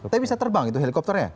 tapi bisa terbang itu helikopternya